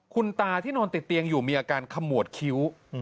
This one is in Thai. คุณตาที่นอนติดเตียงอยู่มีอาการขมวดคิ้ว